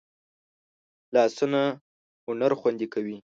لاسونه هنر خوندي کوي